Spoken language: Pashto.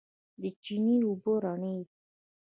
د چينې اوبه رڼې دي.